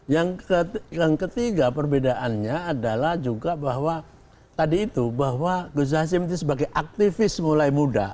yang ketiga perbedaannya adalah juga bahwa tadi itu bahwa gus hasim itu sebagai aktivis mulai muda